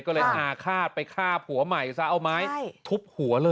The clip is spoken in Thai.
ก็เลยอาฆาตไปฆ่าผัวใหม่ซะเอาไม้ทุบหัวเลย